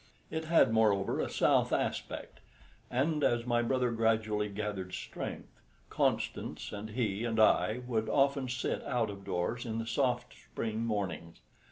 It had, moreover, a south aspect, and as my brother gradually gathered strength, Constance and he and I would often sit out of doors in the soft spring mornings.